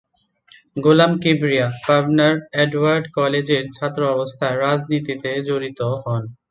গোলাম কিবরিয়া পাবনার এডওয়ার্ড কলেজের ছাত্রাবস্থায় রাজনীতিতে জড়িত হন।